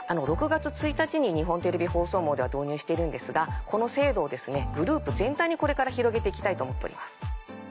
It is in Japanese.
６月１日に日本テレビ放送網では導入しているんですがこの制度をグループ全体にこれから広げて行きたいと思っております。